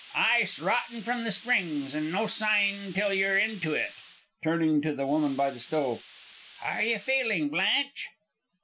"Ice rotten from the springs and no sign till you're into it." Turning to the woman by the stove, "How're you feeling, Blanche?"